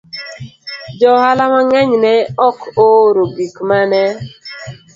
Joohala mang'eny ne ok ooro gik ma ne